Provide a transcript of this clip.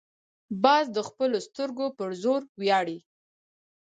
باز د خپلو سترګو پر زور ویاړي